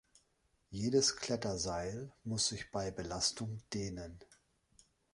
Jedes Kletterseil muss sich bei Belastung dehnen.